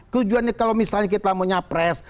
keujuan ini kalau misalnya kita mau nyapres